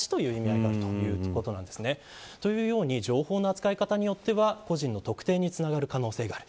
情報の扱い方によっては個人の特定につながる可能性がある。